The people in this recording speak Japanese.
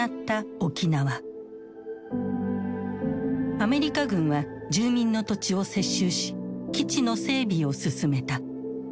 アメリカ軍は住民の土地を接収し基地の整備を進めた。